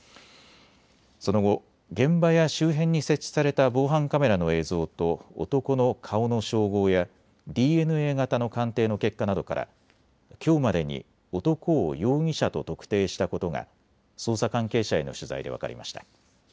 その後、現場や周辺に設置された防犯カメラの映像と男の顔の照合やＤＮＡ型の鑑定の結果などからきょうまでに男を容疑者と特定したことが捜査関係者への取材で分かりました。